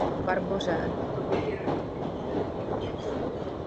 Tento balíček se rovněž těší vysoké podpoře všech politických skupin.